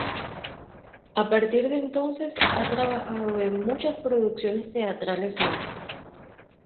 A partir de entonces ha trabajado en muchas producciones teatrales más.